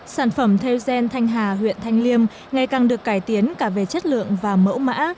sản phẩm theo gen thanh hà huyện thanh liêm ngày càng được cải tiến cả về chất lượng và mẫu mã